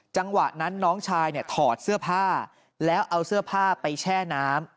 จังหวะนั้นน้องชายเนี่ยถอดเสื้อผ้าแล้วเอาเสื้อผ้าไปแช่น้ำ